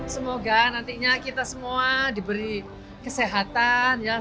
semoga nantinya kita semua diberi kesehatan